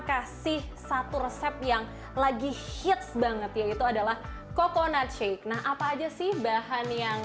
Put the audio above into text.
kasih satu resep yang lagi hits banget yaitu adalah coconut shake nah apa aja sih bahan yang